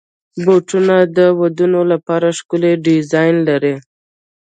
بوټونه د ودونو لپاره ښکلي ډیزاین لري.